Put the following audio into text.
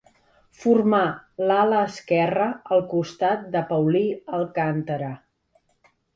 Formà l'ala esquerra al costat de Paulí Alcàntara.